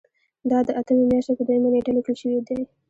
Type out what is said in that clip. دا د اتمې میاشتې په دویمه نیټه لیکل شوی دی.